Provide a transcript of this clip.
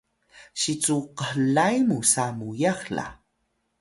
si cu khlay musa muyax la